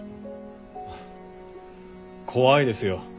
怖いですよ